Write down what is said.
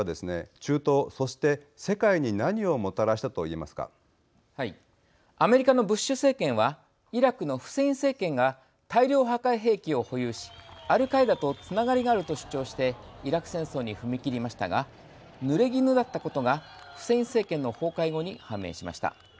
中東、そして世界にアメリカのブッシュ政権はイラクのフセイン政権が大量破壊兵器を保有しアルカイダとつながりがあると主張してイラク戦争に踏み切りましたがぬれぎぬだったことがフセイン政権の崩壊後判明しました。